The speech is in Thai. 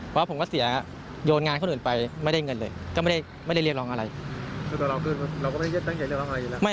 เพราะว่าผมก็เสียโยนงานคนอื่นไปไม่ได้เงินเลยก็ไม่ได้เรียกร้องอะไร